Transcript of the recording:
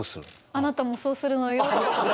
「あなたもそうするのよ」って。